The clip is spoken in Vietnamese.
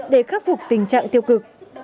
để khắc phục tình trạng tiêu cực